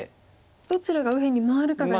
どちらが右辺に回るかが今。